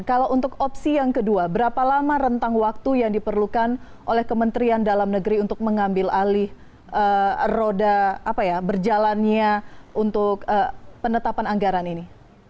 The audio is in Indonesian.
kalau untuk opsi yang kedua berapa lama rentang waktu yang diperlukan oleh kementerian dalam negeri untuk mengambil alih roda apa ya berjalannya untuk penetapan anggaran ini